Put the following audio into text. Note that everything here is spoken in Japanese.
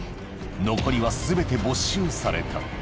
残りはすべて没収された。